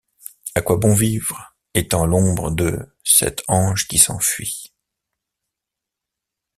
À quoi bon vivre, étant l’ombre De cet ange qui s’enfuit!